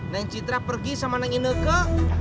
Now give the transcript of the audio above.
nenek citra pergi sama nenek ineke